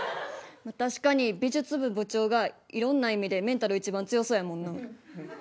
確かに美術部部長がいろんな意味でメンタルいちばん強そうやもんな。